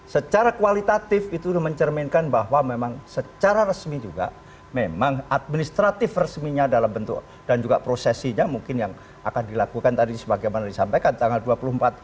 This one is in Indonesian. secara kualitatif itu mencerminkan bahwa memang secara resmi juga memang administratif resminya dalam bentuk dan juga prosesinya mungkin yang akan dilakukan tadi sebagaimana disampaikan tanggal dua puluh empat